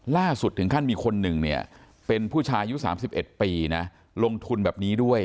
ล่าสุดถึงขั้นมีคนหนึ่งเนี่ยเป็นผู้ชายอายุ๓๑ปีนะลงทุนแบบนี้ด้วย